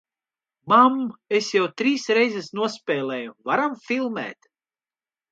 Mam, es jau trīs reizes nospēlēju, varam filmēt!...